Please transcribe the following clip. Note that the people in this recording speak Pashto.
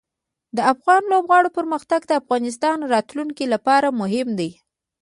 د افغان لوبغاړو پرمختګ د افغانستان راتلونکې لپاره مهم دی.